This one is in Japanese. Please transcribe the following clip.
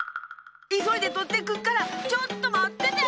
いそいでとってくっからちょっとまってて！